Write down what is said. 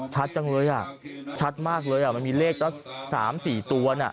ชัดจังเลยอ่ะชัดมากเลยมันมีเลขสัก๓๔ตัวน่ะ